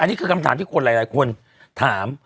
นี่คือคำถามที่คนหลายคนถาม